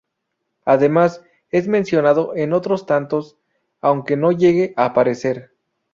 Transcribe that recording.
Además, es mencionado en otros tantos, aunque no llegue a aparecer.